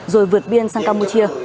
rồi vượt biên sang campuchia